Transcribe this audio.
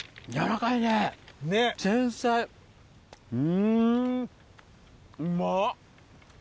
うんうまっ！